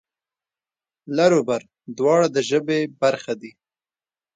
لر و بر دواړه د ژبې برخه دي.